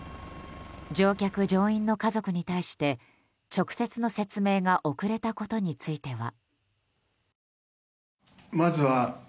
乗客・乗員の家族に対して直接の説明が遅れたことについては。